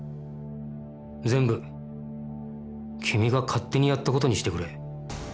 全部君が勝手にやった事にしてくれ。